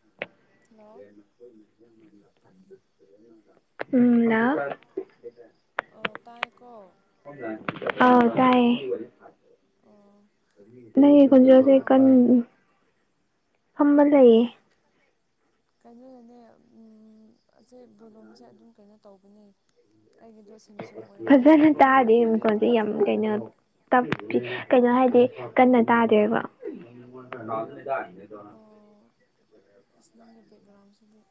[inaudible] hello [unintelligible] ꯎꯝ ꯂꯥꯎ hello ꯑꯣ ꯇꯥꯏꯌ‌ꯦꯀꯣ ꯑꯧ ꯇꯥꯏꯌꯦ ꯑꯣ ꯅꯪꯒꯤ ꯈꯣꯟꯖꯦꯜꯁꯦ ꯀꯟ ꯀꯩꯗꯧꯔꯤꯅꯣ ꯐꯝꯃ ꯂꯩꯌꯦ ꯀꯩꯅꯣꯅꯅꯦ ꯎꯝ ꯑꯁꯦ ꯕꯣꯂꯣꯝꯁꯦ ꯑꯗꯨꯝ ꯀꯩꯅꯣ ꯇꯧꯕꯅꯦ ꯑꯩꯒꯤꯗꯣ ꯁꯦꯝꯁꯨꯡ ꯑꯣꯏꯕ ꯐꯖꯅ ꯏꯁꯄꯤꯀ꯭ꯔꯗꯣ ꯇꯥꯗꯦ ꯃꯊꯛꯇ ꯃꯈꯣꯟꯁꯦ ꯌꯥꯝ ꯂꯩꯕꯒꯤ ꯀꯩꯅꯣ ꯇꯞꯄꯤ ꯀꯩꯅꯣ ꯍꯥꯏꯗꯤ ꯀꯟꯅ ꯇꯥꯗꯦꯕ ꯑꯣ ꯅꯪꯒꯤ ꯕꯦꯛꯒ꯭ꯔꯥꯎꯟꯁꯤꯗꯤ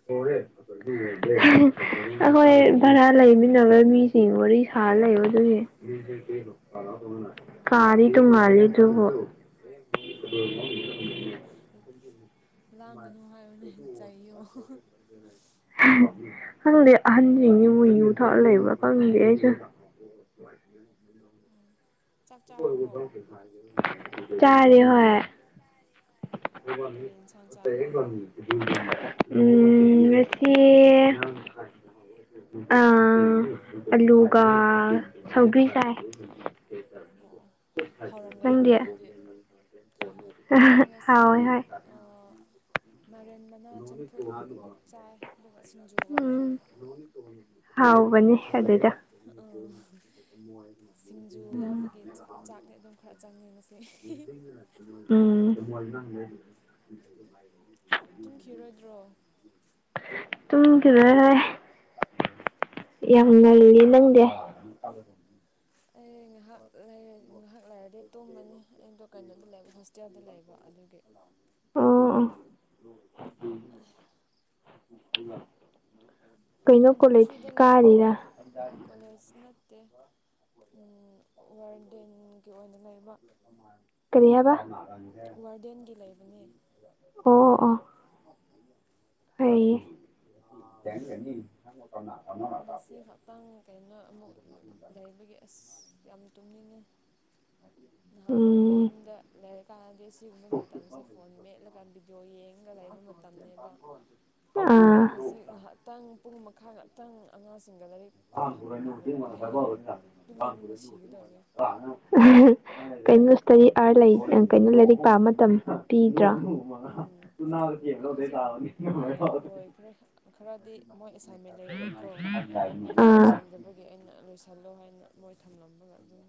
[unintelligible] ꯑꯩꯈꯣꯏ ꯚꯥꯔꯥ ꯂꯩꯃꯤꯟꯅꯕ ꯃꯤꯁꯤꯡ ꯋꯥꯔꯤ ꯁꯥꯔ ꯂꯩꯕ ꯑꯗꯨꯒꯤ ꯑꯣ ꯀꯥꯗꯤ ꯇꯣꯡꯉꯥꯜꯂꯦ ꯑꯗꯨꯕꯨ ꯑꯣ ꯂꯥꯡꯒꯅꯨ ꯍꯥꯏꯌꯣꯅꯦ ꯆꯩꯌꯣ ꯈꯪꯗꯦ ꯑꯍꯟꯁꯤꯡꯁꯤ ꯃꯣꯏ ꯌꯨ ꯊꯛꯑ ꯂꯩꯕ꯭ꯔꯥ ꯈꯪꯗꯦ ꯑꯩꯁꯨ ꯎꯝ ꯆꯥꯛ ꯆꯥꯔꯕꯣ ꯆꯥꯔꯦ ꯍꯣꯏ ꯀꯔꯤ ꯌꯦꯟꯁꯥꯡ ꯆꯥꯒꯦ [unintelligible] ꯎꯝ ꯉꯁꯤ ꯑꯥ ꯑꯂꯨꯒ ꯁꯧꯒ꯭ꯔꯤ ꯆꯥꯢ ꯑꯣ ꯍꯥꯎꯔꯝꯒꯅꯤꯅꯦ ꯅꯪꯗꯤ ꯑꯗꯨꯗꯤ ꯑꯩ ꯉꯁꯤ ꯍꯥꯎꯋꯦ ꯍꯣꯏ ꯑꯣ ꯃꯥꯏꯔꯦꯟ ꯃꯅꯥ ꯆꯝꯐꯨꯠ ꯆꯥꯏ ꯑꯗꯨꯒ ꯁꯤꯡꯖꯨꯒ ꯎꯝ ꯍꯥꯎꯕꯅꯦ ꯑꯗꯨꯗ‌ꯣ ꯎꯝ ꯁꯤꯡꯖꯨ ꯎꯝ ꯌꯥꯎꯕꯒꯤ ꯆꯥꯛꯇꯤ ꯑꯗꯨꯝ ꯈꯔ ꯆꯪꯉ‌ꯦꯕꯁꯦ ꯎꯝ ꯇꯨꯝꯈꯤꯔꯣꯏꯗ꯭ꯔꯣ ꯇꯨꯝꯈꯤꯔ‌ꯣꯏꯍ‌ꯦ ꯌꯥꯝ ꯉꯜꯂꯤ ꯅꯪꯗꯤ [inaudible] ꯑꯩ ꯉꯥꯏꯍꯥꯛ ꯂꯩꯔ ꯉꯥꯏꯍꯥꯛ ꯂꯩꯔꯗꯤ ꯇꯨꯝꯃꯅꯤ ꯑꯩꯗꯣ ꯀꯩꯅꯣꯗ ꯂꯩꯕ ꯍꯣꯁꯇꯦꯜꯗ ꯂꯩꯕ ꯑꯗꯨꯒꯤ ꯑꯣ ꯑꯣ ꯑꯁ ꯀꯩꯅꯣ ꯑꯗꯨꯝ ꯀꯣꯂꯦꯖ ꯐ꯭ꯔꯤꯗ ꯂꯩꯕ꯭ꯔꯣ ꯀꯥꯔꯤꯔ ꯀꯣꯂꯦꯖ ꯅꯠꯇꯦ ꯎꯝ ꯋꯥꯔꯗꯦꯟꯒꯤ ꯑꯣꯏꯅ ꯂꯩꯕ ꯀꯔꯤ ꯍꯥꯏꯕ ꯋꯥꯔꯗꯦꯟꯒꯤ ꯂꯩꯕꯅꯦ ꯑꯣ ꯑꯣ ꯐꯩꯌ‌ꯦ [unintelligible] ꯄ‌ꯪ ꯀꯩꯅꯣ ꯑꯃꯨꯛ ꯂꯩꯕꯒꯤ ꯑꯁ ꯌꯥꯝ ꯇꯨꯝꯅꯤꯡꯉꯦ ꯅꯍꯥꯟꯋꯥꯏꯗꯤ ꯎꯝ ꯌꯨꯝꯗ ꯂꯩꯔꯀꯥꯟꯗꯤ ꯁꯤꯒꯨꯝꯕ ꯃꯇꯝꯁꯦ ꯐꯣꯟ ꯃꯦꯠꯂꯒ ꯚꯤꯗꯤꯑꯣ ꯌꯦꯡꯉꯒ ꯂꯩꯕ ꯃ ꯇꯝꯅꯦꯕ ꯑꯥ ꯉꯇꯪ ꯄꯨꯡ ꯃꯈꯥ ꯉꯥꯛꯇꯪ ꯑꯉꯥꯡꯁꯤꯡꯒ ꯂꯥꯏꯔꯤꯛ [unintelligible] ꯄꯥꯃꯤꯟꯅꯕꯗ ꯑꯩ ꯄꯨꯛꯅꯤꯡꯅ ꯁꯤꯒꯗꯧꯔꯦ ꯀꯩꯅꯣ ꯏꯁꯇꯔꯤ ꯑꯥꯔꯗ ꯂꯩ ꯀꯩꯅꯣ ꯂꯥꯏꯔꯤꯛ ꯄꯥꯕ ꯃꯇꯝ ꯄꯤꯗ꯭ꯔꯥ ꯎꯝ ꯍꯧꯖꯤꯛ ꯃꯣꯏ ꯂꯣꯏꯈ꯭ꯔꯦ ꯈꯔꯗꯤ ꯃꯣꯏ ꯑꯦꯁꯥꯏꯟꯃꯦꯟ ꯂꯩꯕꯒꯤꯀꯣ ꯑ ꯑꯗꯨ ꯑꯥ ꯂꯣꯏꯁꯤꯟꯗꯕꯒꯤ ꯑꯩꯅ ꯂꯣꯏꯁꯤꯜꯂꯣ ꯍꯥꯏꯅ ꯃꯣꯏ ꯊꯝꯂꯝꯃꯒ ꯑꯗꯨꯝ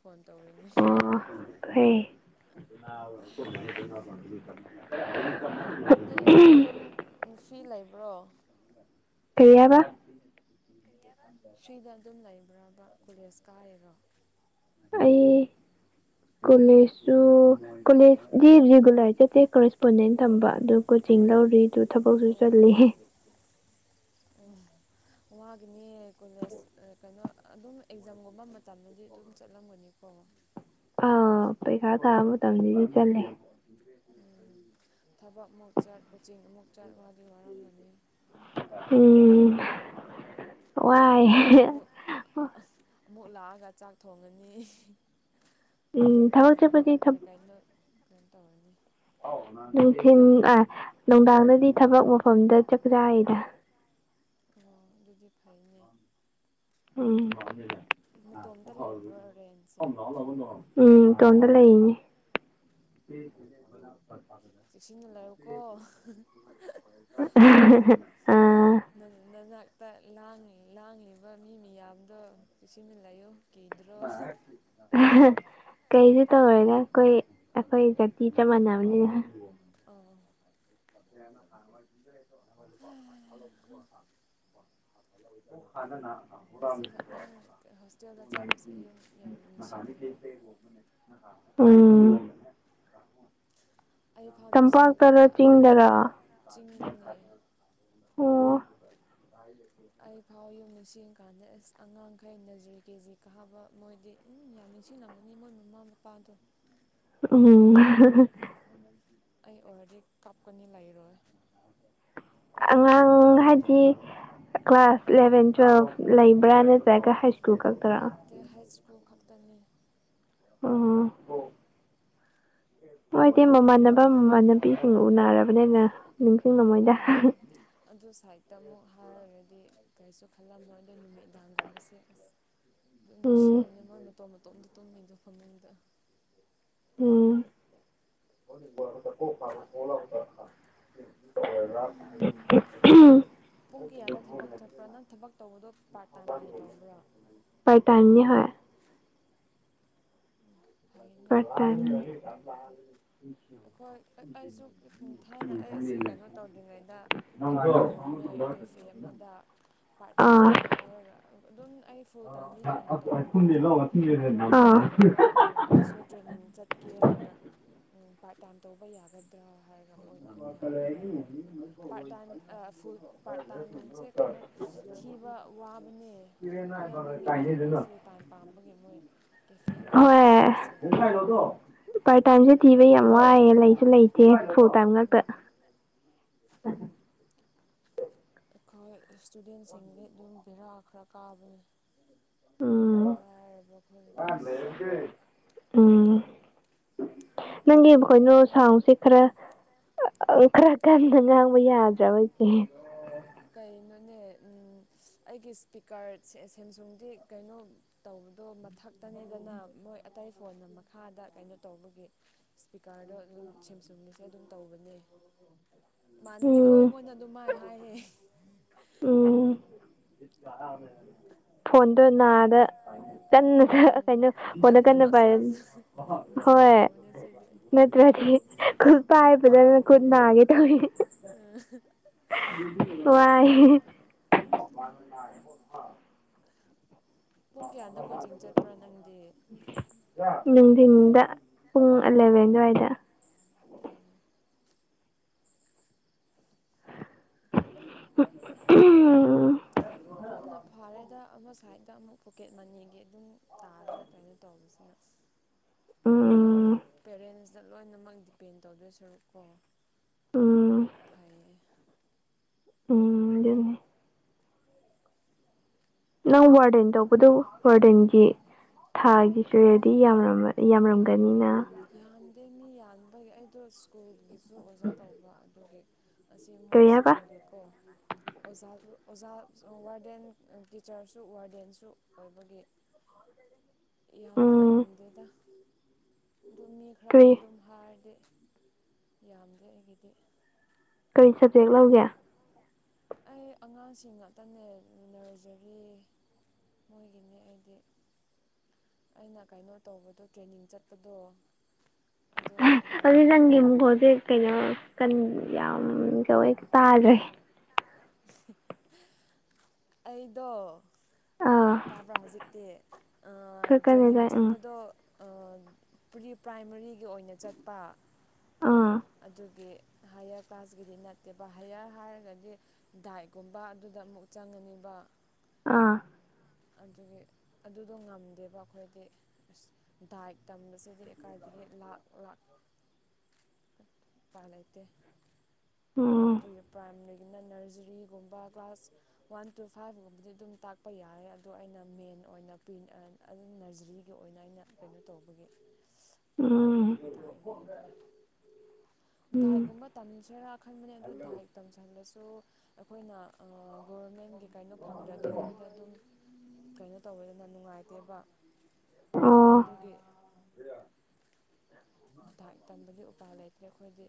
ꯐꯣꯟ ꯇꯧꯔꯤꯅꯤ ꯑꯣ ꯍꯣꯏ ꯅꯪꯗꯤ ꯑꯗꯨꯝ ꯐ꯭ꯔꯤ ꯂꯩꯕ꯭ꯔꯣ ꯀꯔꯤ ꯍꯥꯏꯕꯥ ꯐ꯭ꯔꯤꯗ ꯑꯗꯨꯝ ꯂꯩꯕ꯭ꯔꯥꯕ ꯀꯣꯂꯦꯖ ꯀꯥꯔꯤꯔꯣ ꯑꯩ ꯀꯣꯂꯦꯖꯁꯨ ꯀꯣꯂꯦꯖꯗꯤ ꯔꯤꯒꯨꯂꯔ ꯆꯠꯇꯦ ꯀꯣꯔꯦꯁꯄꯣꯟꯗꯦꯟ ꯊꯝꯕ ꯑꯗꯨ ꯀꯣꯆꯤꯡ ꯂꯧꯔꯤ ꯑꯗꯨ ꯊꯕꯛꯁꯨ ꯆꯠꯂꯤ ꯎꯝ ꯋꯥꯒꯤꯅꯦ ꯀꯣꯂꯦꯖ ꯀꯩꯅꯣ ꯑꯗꯨꯝ ꯑꯦꯛꯖꯥꯝꯒꯨꯝꯕ ꯃꯇꯝꯗꯗꯤ ꯑꯗꯨꯝ ꯆꯠꯂꯝꯒꯅꯤꯀꯣ ꯑꯥ ꯄꯩꯈꯥ ꯊꯥꯕ ꯃꯇꯝꯗꯤ ꯆꯠꯂꯦ ꯎꯝ ꯊꯕꯛ ꯑꯃꯨꯛ ꯆꯠ ꯀꯣꯆꯤꯡ ꯑꯃꯨꯛ ꯆꯠ ꯋꯥꯗꯤ ꯋꯥꯔꯝꯒꯅꯤ ꯎꯝ ꯋꯥꯏ ꯑꯃꯨꯛ ꯑꯃꯨꯛ ꯂꯥꯛꯑꯒ ꯆꯥꯛ ꯊꯣꯡꯉꯅꯤ ꯎꯝ ꯑꯃꯨꯛ ꯊꯕꯛ ꯂꯥꯛꯑꯒ ꯆꯠꯄꯗꯤ ꯀꯥ ꯀꯩꯅꯣ ꯀꯩꯟ ꯇꯧꯔꯥꯅꯤ ꯅꯨꯡꯊꯤꯜ ꯑꯥ ꯅꯨꯡꯗꯥꯡꯗꯗꯤ ꯊꯕꯛ ꯃꯐꯝꯗ ꯆꯥꯛ ꯆꯥꯥꯏꯗ ꯑꯣ ꯑꯗꯨꯗꯤ ꯐꯩꯅꯦ ꯎꯝ ꯅꯥꯇꯣꯝꯇ ꯂꯩꯔꯝꯕ꯭ꯔꯣ ꯔꯦꯟꯁꯦ [unintelligible] ꯎꯝ ꯏꯇꯣꯝꯗꯥ ꯂꯩꯔꯤꯅꯤ ꯆꯦꯛꯁꯤꯟꯅ ꯂꯥꯛꯑꯣꯀꯣ ꯑꯥ ꯅꯪ ꯅꯅꯥꯛꯇ ꯂꯥꯡ ꯂꯥꯡꯂꯤꯕ ꯃꯤ ꯃꯌꯥꯝꯗꯣ ꯆꯦꯛꯁꯤꯟꯅ ꯂꯩꯌꯨ ꯀꯤꯗ꯭ꯔꯣ ꯀꯩꯁꯨ ꯇꯧꯔꯣꯏꯗꯥ ꯑꯩꯈꯣꯏ ꯑꯩꯈꯣꯏ ꯖꯥꯇꯤ ꯆꯞ ꯃꯥꯟꯅꯕꯅꯤꯅ ꯑꯣ [unintelligible] ꯍ ꯍꯥ ꯄꯨꯛ ꯍꯥꯟꯅꯥꯅꯥ ꯉꯁꯤ ꯈꯛꯇꯪ ꯍꯣꯁꯇꯦꯜꯗ ꯆꯪꯕꯁꯦ ꯑꯩ ꯌꯨꯝ ꯌꯥꯝ ꯅꯤꯡꯁꯤꯡꯉꯦꯕꯣ ꯎꯝ ꯑꯩ ꯐꯥꯎ ꯇꯝꯄꯥꯛꯇꯔꯥ ꯅꯤꯡꯁꯤꯡꯉꯤꯀꯥꯟꯗ ꯆꯤꯡꯗꯔꯥ ꯆꯤꯡꯗꯅꯦ ꯑꯣ ꯑꯩ ꯐꯥꯎ ꯌꯨꯝ ꯅꯤꯡꯁꯤꯡ ꯀꯥꯟꯗ ꯑꯉꯥꯡꯈꯩ ꯅꯥꯖ꯭ꯔꯤ ꯀꯦꯖꯤ ꯀꯥꯕ ꯃꯣꯏꯗꯤ ꯎꯝ ꯌꯥꯝ ꯅꯤꯡꯁꯤꯡꯂꯝꯒꯅꯤ ꯃꯣꯏ ꯃꯃꯥ ꯃꯄꯥꯗꯣ ꯎꯝ ꯑꯩ ꯑꯣꯏꯔꯗꯤ ꯀꯞꯀꯅꯤ ꯂꯩꯔꯣꯏ ꯑꯉꯥꯡ ꯍꯥꯏꯗꯤ ꯀ꯭ꯂꯥꯁ ꯏꯂꯕꯦꯟ ꯇꯨꯌꯦꯜ꯭ꯐ ꯂꯩꯕ꯭ꯔꯥ ꯅꯠꯇ꯭ꯔꯒ ꯍꯥꯏ ꯁ꯭ꯀꯨꯜ ꯈꯛꯇꯔꯥ ꯂꯩꯇꯦ ꯍꯥꯏ ꯁ꯭ꯀꯨꯜ ꯈꯛꯇꯪꯅꯦ ꯎꯝ ꯃꯣꯏꯗꯤ ꯃꯃꯥꯟꯅꯕ ꯃꯃꯥꯟꯅꯕꯤꯁꯤꯡ ꯎꯅꯔꯕꯅꯦꯅ ꯅꯤꯡꯁꯤꯡꯉꯝꯃꯣꯏꯗ ꯎꯝ ꯑꯗꯨ ꯁꯥꯏꯠꯇ ꯑꯃꯨꯛ ꯍꯥꯏꯔꯒꯗꯤ ꯀꯔꯤꯁꯨ ꯈꯜꯂꯝꯃꯣꯏ ꯑꯗꯣ ꯅꯨꯃꯤꯗꯥꯡꯒꯨꯝꯕꯁꯦ ꯑꯁ [inaudible] ꯑꯗꯨ ꯎꯝ ꯅꯨꯡꯁꯤꯕꯅꯤ ꯃꯣꯏ ꯃꯇꯣꯝ ꯃꯇꯣꯝꯗ ꯇꯨꯝꯃꯤꯗꯣ ꯐꯃꯨꯡꯗ ꯎꯝ [unintelligible] ꯄꯨꯡ ꯀꯌꯥꯗ ꯊꯕꯛ ꯆꯠꯄ꯭ꯔꯣ ꯅꯪ ꯊꯕꯛ ꯇꯧꯕꯗꯣ ꯄꯥꯔꯠ ꯇꯥꯏꯝ ꯑꯣꯏꯅ ꯇꯧꯕ꯭ꯔꯣ ꯄꯥꯔꯠ ꯇꯥꯏꯝꯅꯤ ꯍꯣꯏ ꯑꯣ ꯐꯩꯅꯦ ꯄꯥꯔꯠ ꯇꯥꯏꯝ ꯇꯧꯕꯗꯤ ꯑꯩꯈꯣꯏ ꯑ ꯑꯩꯁꯨ ꯊꯥꯏꯅ ꯑꯩ ꯑꯁꯤ ꯀꯩꯅꯣ ꯇꯧꯗ꯭ꯔꯤꯉꯩꯗ ꯊꯕꯛ ꯇꯧꯔꯝꯃꯦ ꯀꯦꯐꯦ ꯑꯃꯗ ꯄꯥꯔꯠ ꯑꯥ ꯇꯥꯏꯝꯒꯤ ꯍꯥꯏꯔꯒ ꯑꯗꯨꯝ ꯑꯩ ꯐꯨꯜ ꯇꯥꯏꯝꯗꯤ ꯍꯥꯟꯅ ꯇꯧꯕꯅꯦꯕ ꯑꯗꯣ ꯑꯥ ꯑꯩ ꯀꯩꯅꯣ ꯑ ꯑꯩꯁꯨ ꯇ꯭ꯔꯦꯅꯤꯡ ꯆꯠꯀꯦ ꯍꯥꯏꯅ ꯎꯝ ꯄꯥꯔꯠ ꯇꯥꯏꯝ ꯇꯧꯕ ꯌꯥꯒꯗ꯭ꯔꯥ ꯍꯥꯏꯔ ꯒ ꯃꯣꯏꯅ ꯌꯥꯗꯦꯅꯦ ꯑꯈꯣꯏꯒꯤꯗꯤ ꯄꯥꯔꯠ ꯇꯥꯏꯝ ꯑ ꯐꯨꯜ ꯄꯥꯔꯠ ꯇꯥꯏꯝꯁꯦ ꯀꯩꯅꯣ ꯊꯤꯕ ꯋꯥꯕꯅꯦ ꯑꯌꯥꯝꯕ ꯃꯤꯅ ꯂꯣꯏ ꯐꯨꯜ ꯇꯥꯏꯝ ꯄꯥꯝꯕꯒꯤ ꯃꯣꯏ ꯀꯦꯐꯦꯒꯨꯝꯕ ꯍꯣꯏ ꯑꯗꯨꯒꯨꯝꯕꯁꯦ ꯄꯥꯔꯠ ꯇꯥꯏꯝꯁꯦ ꯊꯤꯕ ꯌꯥꯝ ꯋꯥꯏꯌꯦ ꯂꯩꯁꯨ ꯂꯩꯇꯦ ꯐꯨꯜ ꯇꯥꯏꯝ ꯉꯥꯛꯇ ꯍꯨꯝ ꯑꯩꯈꯣꯏ ꯏꯁꯇꯨꯗꯦꯟꯁꯤꯡꯗꯤ ꯑꯗꯨꯝ ꯚꯦꯔꯥ ꯈꯔ ꯀꯥꯕꯅꯤ ꯎꯝ ꯂꯥꯏꯔꯕ ꯑꯈꯣꯏꯒꯤꯗꯤ ꯏꯁ [unintelligible] ꯎꯝ ꯅꯪꯒꯤ ꯀꯩꯅꯣ ꯁꯥꯎꯟꯁꯦ ꯈꯔ ꯈꯔ ꯀꯟꯗ ꯉꯥꯡꯕ ꯌꯥꯗ꯭ꯔꯕꯆꯦ ꯀꯩꯅꯣꯅꯦ ꯎꯝ ꯑꯩꯒꯤ ꯏꯁꯄꯤꯀꯔꯦ ꯁꯦꯝꯁꯨꯡꯗꯤ ꯀꯩꯅꯣ ꯇꯧꯕꯗꯣ ꯃꯊꯛꯇꯅꯦꯗꯅ ꯃꯣꯏ ꯑꯇꯩ ꯐꯣꯟꯅ ꯃꯈꯥꯗ ꯀꯩꯅꯣ ꯇꯧꯕꯒꯤ ꯏꯁꯄꯤꯀꯥꯔꯗꯣ ꯑꯗꯨꯝ ꯁꯦꯝꯁꯨꯝꯒꯤꯁꯦ ꯑꯗꯨꯝ ꯇꯧꯕꯅꯦ ꯏꯃꯥꯟꯅꯕꯤ ꯂꯣꯏ ꯎꯝ ꯑꯩꯉꯣꯟꯗ ꯑꯗꯨꯝꯃꯥꯏ ꯍꯥꯏꯍꯦ ꯎꯝ ꯐꯣꯟꯗꯣ ꯅꯥꯗ ꯀꯟꯅ ꯎꯝ ꯀꯩꯅꯣ ꯐꯣꯟꯗꯣ ꯀꯟꯅ ꯄꯥꯏꯌꯣ ꯅꯞꯁꯜꯂꯁꯨ ꯑꯗꯨꯃꯥꯏꯅ ꯍꯣꯏ ꯇꯧꯕꯅꯦ ꯁꯤꯗꯤ ꯅꯠꯇ꯭ꯔꯗꯤ ꯈꯨꯠ ꯄꯥꯏꯕꯗꯅ ꯈꯨꯠ ꯅꯥꯒꯦ ꯇꯧꯏ ꯑꯥ ꯋꯥꯏꯌꯦ ꯄꯨꯡ ꯀꯌꯥꯗ ꯀꯣꯆꯤꯡ ꯆꯠꯄ꯭ꯔꯥ ꯅꯪꯗꯤ ꯅꯨꯡꯊꯤꯟꯗ ꯄꯨꯡ ꯑꯦꯂꯚꯦꯟ ꯑꯗꯨꯋꯥꯏꯗ ꯑꯣ [unintelligible] ꯑꯗꯨꯅ ꯐꯔꯦꯗ ꯑꯃ ꯁꯥꯏꯗ ꯑꯃꯨꯛ ꯄꯣꯀꯦꯠ ꯃꯅꯤꯒꯤ ꯑꯗꯨꯝ ꯇꯥꯜꯂꯒ ꯑꯗꯨꯃꯥꯏꯅ ꯇꯧꯕꯁꯤꯅ [unintelligible] ꯑꯈꯣꯏꯅ ꯎꯝ ꯄꯦꯔꯦꯟꯁꯇ ꯂꯣꯏꯅꯃꯛ ꯗꯤꯄꯦꯟ ꯇꯧꯗꯣꯏ ꯁꯔꯨꯛꯀꯣ ꯎꯝ ꯐꯩꯌꯦ ꯎꯝ ꯗꯨꯅꯦ ꯅꯪ ꯋꯥꯔꯗꯦꯟ ꯇꯧꯕꯗꯨ ꯋꯥꯔꯗꯦꯟꯒꯤ ꯊꯥꯒꯤ ꯄꯦꯗꯤ ꯌꯥꯝꯔꯝ ꯌꯥꯝꯔꯝꯒꯅꯤꯅ ꯌꯥꯝꯗꯦ ꯃꯤ ꯌꯥꯝꯕꯒꯤ ꯑꯩꯗꯣ ꯁ꯭ꯀꯨꯜꯒꯤꯁꯨ ꯑꯣꯖꯥ ꯇꯧꯕ ꯑꯗꯨꯒꯤ ꯑꯁꯤ ꯃꯣꯏ ꯀꯔꯤ ꯍꯥꯏꯕ ꯁ꯭ꯀꯨꯜꯒꯤꯀꯣ ꯑꯣꯖꯥꯁꯨ ꯑꯣꯖꯥ ꯋꯥꯔꯗꯦꯟ ꯇꯤꯆꯔꯁꯨ ꯋꯥꯔꯗꯦꯟꯁꯨ ꯑꯣꯏꯕꯒꯤ ꯌꯥꯝꯗꯤ ꯎꯝ ꯌꯥꯝꯗꯦꯗ ꯑꯗꯨꯝ ꯃꯤ ꯈꯔꯒꯗꯤ ꯀꯔꯤ ꯑꯗꯨꯝ ꯍꯥꯢꯔꯗꯤ ꯌꯥꯝꯗꯦ ꯑꯩꯒꯤꯗꯤ ꯀꯩ ꯁꯕꯖꯦꯛ ꯂꯧꯒꯦ ꯑꯩ ꯑꯉꯥꯡꯁꯤꯡ ꯉꯥꯛꯇꯅꯦ ꯅꯔꯖꯔꯤ ꯃꯣꯏꯒꯤꯅꯦ ꯑꯩꯗꯤ ꯑꯩꯅ ꯀꯩꯅꯣ ꯇꯧꯕꯗꯣ ꯇ꯭ꯔꯦꯅꯤꯡ ꯆꯠꯄꯗꯣ ꯑꯗꯣ ꯑꯗꯨ ꯅꯪꯒꯤ ꯃꯈꯣꯟꯁꯦ ꯀꯩꯅꯣ ꯀꯟ ꯌꯥꯝ ꯇꯧꯋꯦ ꯇꯥꯗ꯭ꯔꯦ [inaudible] ꯑꯩꯗꯣ [inaudible] ꯑꯥ ꯇꯥꯕ꯭ꯔꯥ ꯍꯧꯖꯤꯛꯇꯤ ꯈꯔ ꯀꯟꯅ ꯇ꯭ꯔꯦꯅꯤꯡ ꯇꯥꯏ ꯎꯝ ꯆꯠꯄꯗꯣ ꯑ ꯄ꯭ꯔꯤ ꯄ꯭ꯔꯥꯏꯃꯔꯤꯒꯤ ꯑꯣꯏꯅ ꯆꯠꯄ ꯑꯥ ꯑꯗꯨꯒꯤ ꯍꯥꯏꯌꯔ ꯀ꯭ꯂꯥꯁꯀꯤꯗꯤ ꯅꯠꯇꯦꯕ ꯍꯥꯏꯌꯔ ꯍꯥꯏꯔꯒꯗꯤ ꯗꯥꯏꯛꯀꯨꯝꯕ ꯑꯗꯨꯗ ꯑꯃꯨꯛ ꯆꯪꯉꯅꯤꯕ ꯑꯥ ꯑꯗꯨꯒꯤ ꯑꯗꯨꯗꯣ ꯉꯝꯗꯦꯕ ꯑꯩꯈꯣꯏꯗꯤ ꯑꯁ ꯗꯥꯏꯛ ꯇꯝꯕꯁꯤꯗꯤ ꯀꯥꯏꯗꯒꯤ ꯂꯥꯛ ꯂꯥꯛ ꯎꯄꯥꯏ ꯂꯩꯇꯦ ꯎꯝ ꯄ꯭ꯔꯤ ꯄ꯭ꯔꯥꯏꯃꯔꯤ ꯅ ꯅꯔꯖꯔꯤꯒꯨꯝꯕ ꯀ꯭ꯂꯥꯁ ꯋꯥꯟ ꯇꯨ ꯐꯥꯏꯚꯒꯨꯝꯕꯗꯤ ꯑꯗꯨꯝ ꯇꯥꯛꯄ ꯌꯥꯏꯌꯦ ꯑꯗꯣ ꯑꯩꯅ ꯃꯦꯟ ꯑꯣꯏꯅ ꯄꯤ ꯑꯗꯨ ꯅꯔꯖꯔꯤꯒꯤ ꯑꯣꯏꯅ ꯑꯩꯅ ꯀꯩꯅꯣ ꯇꯧꯕꯒꯤ ꯎꯝ ꯃꯣꯏꯅ ꯇꯥꯛꯏꯅꯦ ꯑꯩꯗꯤ ꯎꯝ ꯗꯥꯏꯛ ꯒꯨꯝꯕ ꯇꯝꯁꯤꯔꯥ ꯈꯟꯕꯅꯦ ꯑꯗꯨ ꯗꯥꯢꯛ ꯇꯝꯁꯟꯂꯁꯨ ꯑꯩꯈꯣꯏꯅ ꯑꯩ ꯒꯣꯚꯔꯃꯦꯟꯒꯤ ꯀꯩꯅꯣ ꯐꯪꯗ꯭ꯔꯗꯤ ꯑꯩꯈꯣꯏꯗ ꯑꯗꯨꯝ ꯀꯩꯅꯣ ꯇꯧꯋꯦꯗꯅ ꯅꯨꯡꯉꯥꯏꯇꯦꯕ ꯑꯣ ꯑꯗꯨꯒꯤ ꯗꯥꯢꯛ ꯇꯝꯕꯗꯤ ꯎꯄꯥꯏ ꯂꯩꯇ꯭ꯔꯦ ꯑꯩꯈꯣꯏꯗꯤ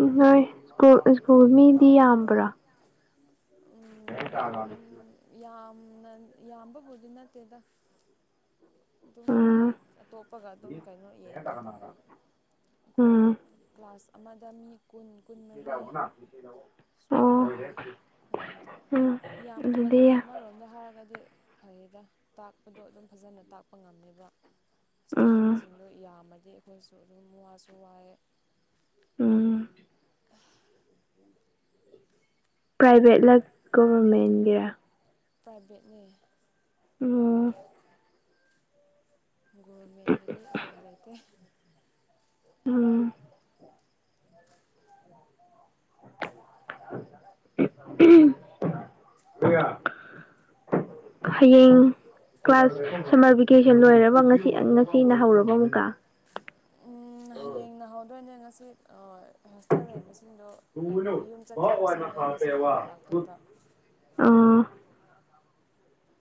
ꯎꯝ ꯍꯣꯏ ꯁ꯭ꯀꯨꯜ ꯁ꯭ꯀꯨꯜ ꯃꯤꯗꯤ ꯌꯥꯝꯕ꯭ꯔꯥ ꯎꯝ ꯌꯥꯝ ꯌꯥꯝꯅ ꯌꯥꯝꯕꯕꯨꯗꯤ ꯅꯠꯇꯦꯗ ꯑꯗꯨꯝ ꯑꯇꯩ ꯎꯝ ꯑꯇꯣꯞꯄꯒ ꯑꯗꯨꯝ ꯀꯩꯅꯣ ꯌꯦꯡꯉꯒꯗꯤꯀꯣ ꯑꯩꯈꯣꯏꯒꯤ ꯎꯝ ꯀ꯭ꯂꯥꯁ ꯑꯃꯗ ꯃꯤ ꯀꯨꯟ ꯀꯨꯟꯃꯔꯤ ꯑꯣ ꯁꯨꯃꯥꯏꯅ ꯂꯩꯌꯦ ꯌꯥꯝꯗꯦ ꯎꯝ ꯑꯗꯨꯗꯤ ꯌꯥꯝꯗꯕꯗꯨꯅ ꯑꯃꯔꯣꯝ ꯍꯥꯏꯔꯒꯗꯤ ꯐꯩꯌꯦꯗ ꯇꯥꯛꯄꯗꯣ ꯑꯗꯨꯝ ꯐꯖꯅ ꯇꯥꯛꯄ ꯉꯝꯃꯦꯕ ꯎꯝ ꯁ꯭ꯇꯨꯗꯦꯟꯁꯤꯡꯗꯣ ꯌꯥꯝꯃꯗꯤ ꯑꯩꯈꯣꯏꯁꯨ ꯑꯗꯨꯝ ꯋꯥꯁꯨ ꯋꯥꯏꯌꯦ ꯎꯝ ꯄ꯭ꯔꯥꯏꯚꯦꯠ ꯄ꯭ꯔꯥꯏꯚꯦꯠꯅꯦ ꯎꯝ ꯒꯣꯔꯃꯦꯟꯒꯤꯗꯤ ꯎꯄꯥꯏ ꯂꯩꯇꯦ ꯎꯝ ꯑꯦ [unintelligible] ꯍꯌꯦꯡ ꯀ꯭ꯂꯥꯁ ꯁꯝꯃꯔ ꯚꯦꯀꯦꯁꯟ ꯂꯣꯏꯔꯕ ꯉꯁꯤ ꯉꯁꯤꯅ ꯍꯧꯔꯕ ꯑꯃꯨꯛꯀ ꯎꯝ ꯍꯌꯦꯡꯅ ꯍꯧꯗꯣꯏꯅꯦ ꯉꯁꯤ ꯑꯣꯏ ꯍꯣꯁꯇꯦꯜ ꯂꯩꯕꯁꯤꯡꯗꯣ ꯀꯩꯅꯣ ꯌꯨꯝ ꯆꯠꯈꯤꯕꯁꯤꯡꯗꯣ ꯉꯁꯤꯅ ꯑꯃꯨꯛ ꯂꯥꯛꯇꯣꯏꯕ ꯑꯣ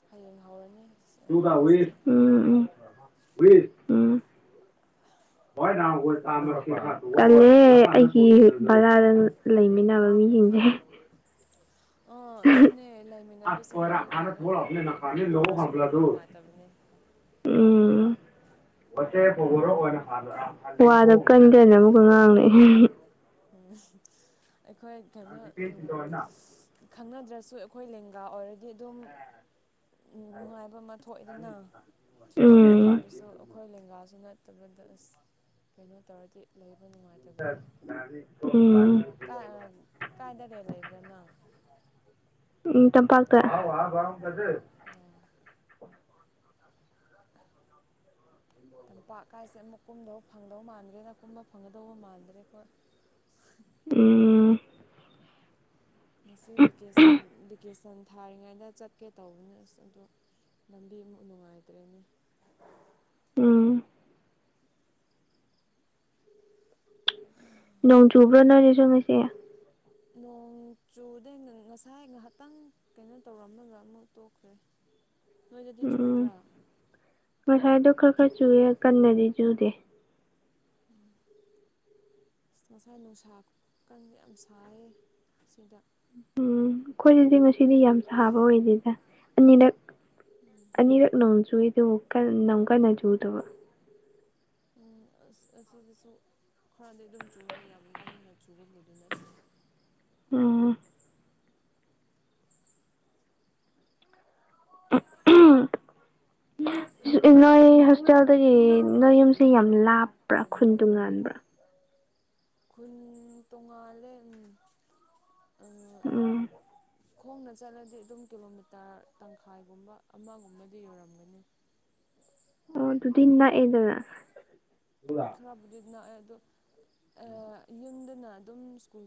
ꯍꯌꯦꯡ ꯍꯧꯔꯅꯤ ꯇꯨꯡꯁ ꯎꯝ ꯀ꯭ꯂꯥꯁꯇꯤ ꯎꯝꯁ ꯎꯝ [unintelligible] ꯇꯜꯂꯦ ꯑꯩꯒꯤ ꯕꯖꯥꯔꯗ ꯂꯩꯃꯤꯟꯅꯕ ꯃꯤꯁꯤꯡꯁꯦ ꯑꯣ ꯑꯗꯨꯅꯦ ꯂꯩꯃꯤꯟꯅꯕꯁꯤꯡꯗꯣ ꯀꯩꯅꯣ ꯇꯧꯗ꯭ꯔꯗꯤ ꯚꯔꯥꯁꯨ ꯂꯩꯕ ꯅꯨꯡꯉꯥꯏꯇꯕꯅꯦ ꯎꯝ ꯋꯥꯗꯣ ꯀꯟ ꯀꯟꯅ ꯑꯃꯨꯛꯀ ꯉꯥꯡ ꯂꯩ ꯎꯝ ꯑꯩꯈꯣꯏ ꯀꯩꯅꯣ ꯎꯝ ꯈꯪꯅꯗ꯭ꯔꯁꯨ ꯑꯩꯈꯣꯏ ꯂꯦꯡꯒꯥ ꯑꯣꯏꯔꯗꯤ ꯗꯤ ꯑꯗꯨꯝ ꯅꯨꯡꯉꯥꯏꯕ ꯑꯃ ꯊꯣꯛꯑꯦꯗꯅ ꯔꯦꯜ ꯎꯝ ꯂꯩꯕꯁꯨ ꯑꯩꯈꯣꯏ ꯂꯦꯡꯒꯥꯁꯨ ꯅꯠꯇꯕꯗ ꯑꯁ ꯀꯩꯅꯣ ꯇꯧꯔꯗꯤ ꯂꯩꯕ ꯅꯨꯡꯉꯥꯏ ꯎꯝ ꯀꯥꯏ ꯀꯥꯏꯗ ꯔꯦꯜ ꯂꯩꯕ꯭ꯔꯥ ꯅꯪ ꯎꯝ ꯇꯝꯄꯥꯛꯇ ꯑꯦ ꯇꯝꯄꯥꯛꯀꯥꯏꯁꯦ ꯑꯃꯨꯛ ꯀꯨꯝꯗꯧ ꯐꯪꯗꯧ ꯃꯥꯟꯗ꯭ꯔꯦꯅ ꯀꯨꯝꯕ ꯐꯪꯒꯗꯧꯕ ꯃꯥꯟꯗ꯭ꯔꯦ ꯑꯈꯣꯏ ꯎꯝ ꯉꯁꯤ ꯚꯤꯀꯦꯁꯟ ꯚꯤꯀꯦꯁꯟ ꯊꯥꯔꯤꯉꯩꯗ ꯆꯠꯀꯦ ꯇꯧꯕꯅꯦ ꯑꯁ ꯑꯗꯣ ꯂꯝꯕꯤ ꯅꯨꯡꯉꯥꯏꯇ꯭ꯔꯦꯅꯦ ꯎꯝ ꯅꯣꯡ ꯆꯨꯕ꯭ꯔꯥ ꯅꯣꯏꯗꯁꯨ ꯉꯁꯤ ꯅꯣꯡ ꯆꯨꯗꯦ ꯉꯁꯥꯏ ꯉꯥꯏꯍꯥꯛꯇꯪ ꯀꯩꯅꯣ ꯇꯧꯔꯝꯃꯒ ꯑꯃꯨꯛ ꯇꯣꯛꯈ꯭ꯔꯦ ꯅꯣꯏꯗꯗꯤ ꯎꯝ ꯆꯨꯕ꯭ꯔꯥ ꯉꯁꯥꯏꯗꯣ ꯈꯔ ꯈꯔꯗꯤ ꯆꯨꯏꯑꯦ ꯀꯟꯅꯗꯤ ꯆꯨꯗꯦ ꯑꯁ ꯉꯁꯥꯏ ꯅꯨꯡꯁꯥ ꯈꯨꯀꯟ ꯌꯥꯝ ꯁꯥꯏꯌꯦ ꯁꯤꯗ ꯎꯝ ꯑꯩꯈꯣꯏꯗꯗꯤ ꯉꯁꯤꯗꯤ ꯌꯥꯝ ꯁꯥꯕ ꯑꯣꯏꯗꯦꯗ ꯑꯅꯤꯔꯛ ꯑꯅꯤꯔꯛ ꯅꯣꯡ ꯆꯨꯏ ꯑꯗꯨꯕꯨ ꯀꯟ ꯅꯣꯡ ꯀꯟ ꯆꯨꯗꯕ ꯎꯝ ꯑꯁ ꯑꯁꯤꯗꯁꯨ ꯈꯔꯗꯤ ꯑꯗꯨꯝ ꯆꯨꯔꯦ ꯌꯥꯝ ꯀꯟꯅ ꯆꯨꯕꯕꯨꯗꯤ ꯅꯠꯇꯦ ꯎꯝ ꯅꯣꯏ ꯍꯣꯁꯇꯦꯜꯗꯒꯤ ꯅꯣꯏ ꯌꯨꯝꯁꯦ ꯌꯥꯝ ꯂꯥꯞꯄ꯭ꯔꯥ ꯈꯨꯟ ꯇꯣꯉꯥꯟꯕ꯭ꯔꯥ ꯈꯨꯟ ꯇꯣꯉꯥꯜꯂꯦ ꯎꯝ ꯑꯥ ꯎꯝ ꯈꯣꯡꯅ ꯆꯠꯂꯗꯤ ꯑꯗꯨꯝ ꯀꯤꯂꯣꯃꯤꯇꯔ ꯇꯪꯈꯥꯏꯒꯨꯝꯕ ꯑꯃꯒꯨꯝꯕꯗꯤ ꯌꯧꯔꯝꯒꯅꯤ ꯑꯣ ꯑꯗꯨꯗꯤ ꯅꯛꯑꯦꯗꯅ ꯈꯔꯕꯨꯗꯤ ꯅꯥꯛꯑꯦ ꯑꯗꯣ ꯑꯥ ꯌꯨꯝꯗꯅ ꯑꯗꯨꯝ ꯁ꯭ꯀꯨꯜ